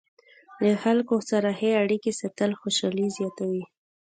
له خلکو سره ښې اړیکې ساتل خوشحالي زیاتوي.